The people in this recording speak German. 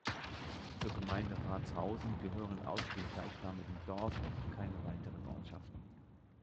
Zur Gemeinde Ratshausen gehören außer dem gleichnamigen Dorf keine weiteren Ortschaften.